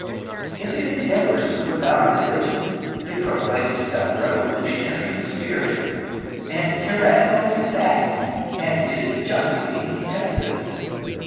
If it endeavours to put down a religion, it proclaims itself revolutionary in its spirit, and tyrannical in its acts, and is justly detested.